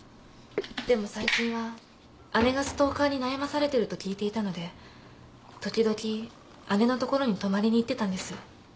でも最近は姉がストーカーに悩まされてると聞いていたので時々姉のところに泊まりに行ってたんです。